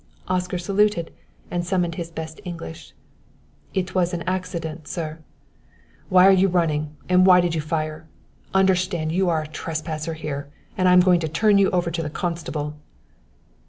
Oscar saluted and summoned his best English. "It was an accident, sir." "Why are you running and why did you fire? Understand you are a trespasser here, and I am going to turn you over to the constable."